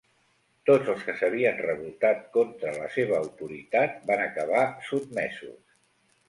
Tots els que s'havien revoltat contra la seva autoritat van acabar sotmesos.